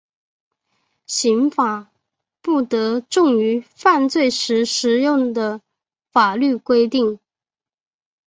刑罚不得重于犯罪时适用的法律规定。